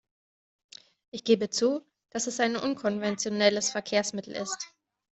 Ich gebe zu, dass es ein unkonventionelles Verkehrsmittel ist.